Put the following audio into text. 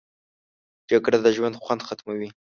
جګړه د ژوند خوند ختموي